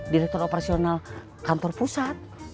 direktur operasional kantor pusat